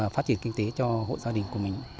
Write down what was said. phát triển kinh tế cho hộ gia đình của mình